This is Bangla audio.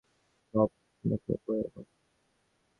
বব, দেখো উপরে, বব!